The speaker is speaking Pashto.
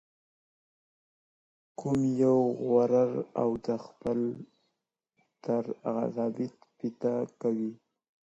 قومي غرور او د خپلوۍ تړاو عصبیت پیدا کوي.